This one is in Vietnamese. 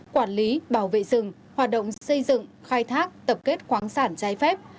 quản lý bảo vệ rừng hoạt động xây dựng khai thác tập kết khoáng sản trái phép